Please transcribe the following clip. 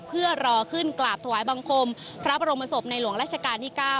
เพื่อรอขึ้นกราบถวายบังคมพระบรมศพในหลวงราชการที่๙